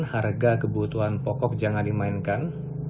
harga kebutuhan pokok jangan dimainkan